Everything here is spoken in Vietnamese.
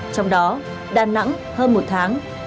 trong đó đà nẵng hơn một tháng